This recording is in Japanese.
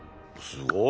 すごい！